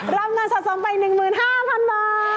รับเงินสะสมไป๑๕๐๐๐บาท